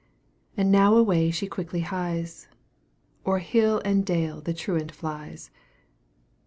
And now away she quickly hies O'er hill and dale the truant flies.